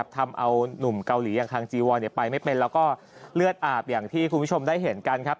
ทำเอานุ่มเกาหลีอย่างคางจีวอนไปไม่เป็นแล้วก็เลือดอาบอย่างที่คุณผู้ชมได้เห็นกันครับ